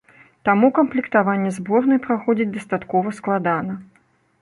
Таму камплектаванне зборнай праходзіць дастаткова складана.